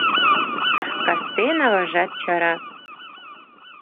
Кастен аважат чара: